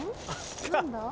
何だ？